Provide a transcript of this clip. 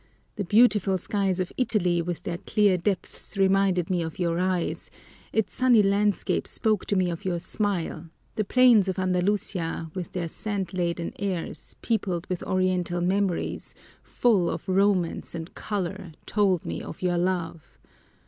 The beautiful skies of Italy with their clear depths reminded me of your eyes, its sunny landscape spoke to me of your smile; the plains of Andalusia with their scent laden airs, peopled with oriental memories, full of romance and color, told me of your love!